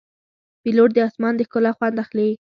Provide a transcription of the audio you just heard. پیلوټ د آسمان د ښکلا خوند اخلي.